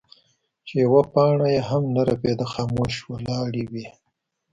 چې يوه پاڼه يې هم نۀ رپيده خاموش ولاړې وې ـ